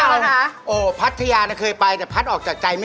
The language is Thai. แล้วก็เห็นร้านอาหารคึกคักแบบนี้